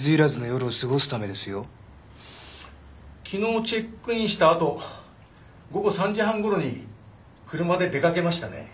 昨日チェックインしたあと午後３時半頃に車で出掛けましたね。